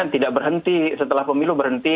tidak berhenti setelah pemilu berhenti